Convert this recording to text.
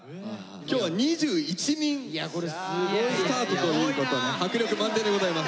今日は２１人スタートということで迫力満点でございます。